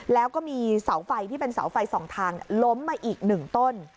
แล้วก็มีเสาไฟที่เป็นเสาไฟสองทางล้มมาอีก๑ต้น